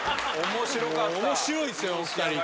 面白いっすよお二人が。